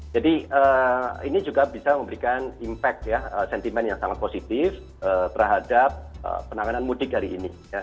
jadi ini juga bisa memberikan impact ya sentimen yang sangat positif terhadap penanganan mudik hari ini